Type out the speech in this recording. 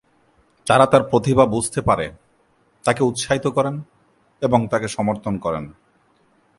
তারা তার প্রতিভা বুঝতে পারে, তাকে উৎসাহিত করেন এবং তাকে সমর্থন করেন।